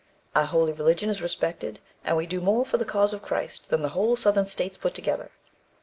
Our holy religion is respected, and we do more for the cause of Christ than the whole Southern States put together."